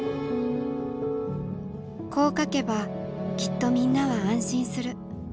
こう書けばきっとみんなは安心する。